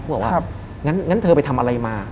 บอกว่างั้นเธอไปทำอะไรมา